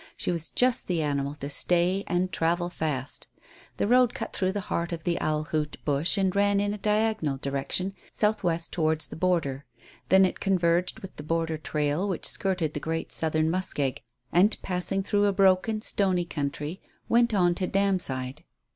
She was just the animal to "stay" and travel fast. The road cut through the heart of the Owl Hoot bush, and ran in a diagonal direction, south west towards the border. Then it converged with the border trail which skirted the great southern muskeg, and, passing through a broken, stony country, went on to Damside.